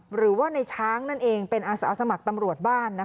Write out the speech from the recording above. หรือว่าในช้างนั่นเองเป็นอาสาสมัครตำรวจบ้าน